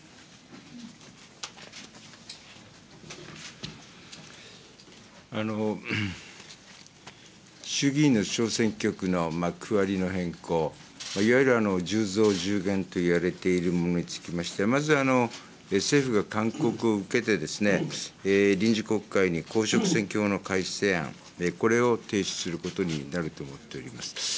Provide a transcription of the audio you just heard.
また、減員対象区の候補者調整の進め方についてのお考えもお聞か衆議院の小選挙区の区割りの変更、いわゆる１０増１０減といわれているものにつきましては、まず政府から勧告を受けて、臨時国会に公職選挙法の改正案、これを提出することになると思っております。